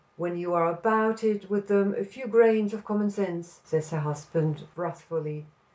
"When you are about it wish them a few grains of common sense," says her husband wrathfully.